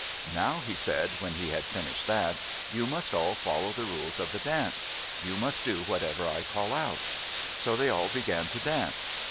"Now," he said, when he had finished that, "you must all follow the rules of the dance. You must do whatever I call out." So they all began to dance.